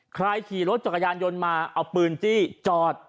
ขี่รถจักรยานยนต์มาเอาปืนจี้จอด